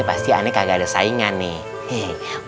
pasti aneh kagak ada saingan nih